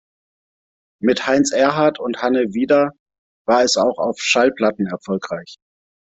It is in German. Mit Heinz Erhardt und Hanne Wieder war es auch auf Schallplatten erfolgreich.